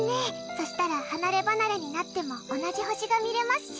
そしたら離れ離れになっても同じ星が見れますし。